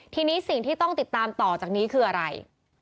ทีนี้สิ่งที่ต้องติดตามต่อจากนี้คืออะไร